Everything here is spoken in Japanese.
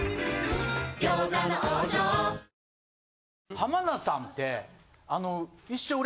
浜田さんってあの。